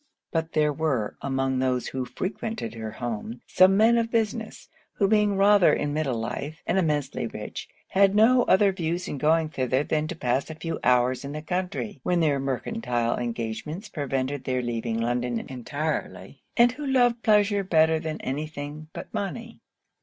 But there were, among those who frequented her house, some men of business; who being rather in middle life, and immensely rich, had no other views in going thither than to pass a few hours in the country, when their mercantile engagements prevented their leaving London entirely; and who loved pleasure better than any thing but money.